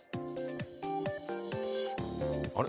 あれ？